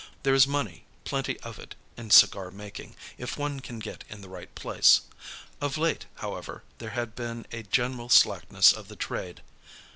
There is money, plenty of it, in cigar making, if one can get in the right place. Of late, however, there had been a general slackness of the trade.